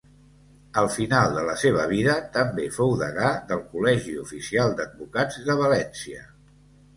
Al final de la seva vida també fou degà del Col·legi Oficial d'Advocats de València.